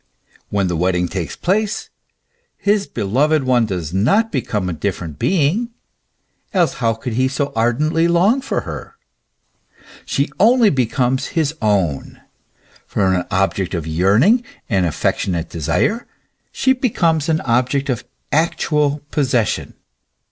When the wedding takes place, his beloved one does not become a different being ; else how could he so ardently long for her ? She only becomes his own ; from an object of yearning and affectionate desire she becomes an object of actual possession.